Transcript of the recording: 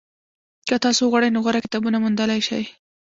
که تاسو وغواړئ نو غوره کتابونه موندلی شئ.